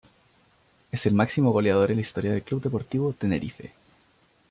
Es el máximo goleador en la historia del Club Deportivo Tenerife.